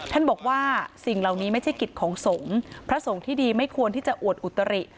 ท่านบอกว่าสิ่งเหล่านี้ไม่ใช่กิจของสงฆ์พระสงฆ์ที่ดีไม่ควรที่จะอวดอุตริ